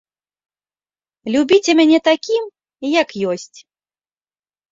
Любіце мяне такім, як ёсць.